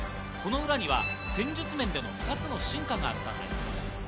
この裏には戦術面でも２つの進化があったんです。